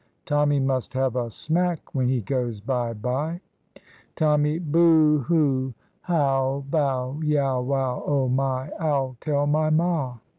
Tommy must have a smack when he goes bye bye.' Tommy. `Booh, hoo, how bow, yow, wow, oh my! I'll tell my ma!'"